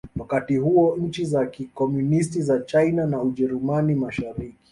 Wakati huo nchi za Kikomunisti za China na Ujerumani Mashariki